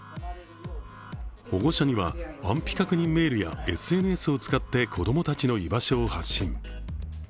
保護者には安否確認メールやＳＮＳを使って子供たちの居場所を発信。